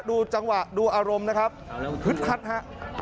ดูจังหวะดูอารมณ์นะครับฮึดฮัดฮะ